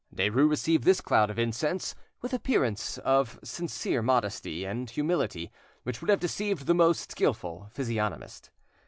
Derues received this cloud of incense with an appearance of sincere modesty and humility, which would have deceived the most skilful physiognomist.